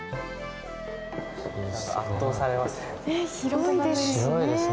圧倒されますね。